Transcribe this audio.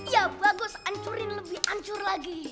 iya bagus ancurin lebih ancur lagi